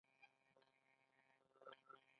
څنګه کولی شم د ماشومانو لپاره د جنت تختونه وښایم